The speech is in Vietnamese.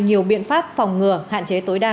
nhiều biện pháp phòng ngừa hạn chế tối đa